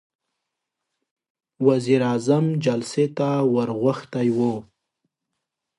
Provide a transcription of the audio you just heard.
وزير اعظم جلسې ته ور غوښتی و.